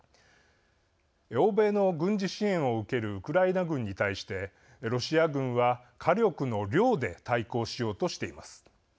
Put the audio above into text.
欧米の軍事支援を受けるウクライナ軍に対してロシア軍は、火力の量で対抗しようとしています。